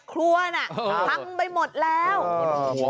คล้อน่ะหมดแล้ว